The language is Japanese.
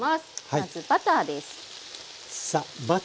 まずバターです。